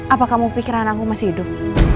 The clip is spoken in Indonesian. apa kamu pikiran aku masih hidup